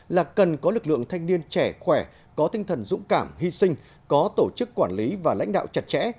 là cần có lực lượng thanh niên trẻ khỏe có tinh thần dũng cảm hy sinh có tổ chức quản lý và lãnh đạo chặt chẽ